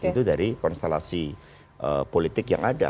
itu dari konstelasi politik yang ada